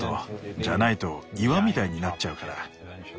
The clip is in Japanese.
じゃないと岩みたいになっちゃうから。